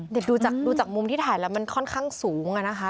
เดี๋ยวดูจากมุมที่ถ่ายแล้วมันค่อนข้างสูงอะนะคะ